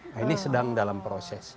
nah ini sedang dalam proses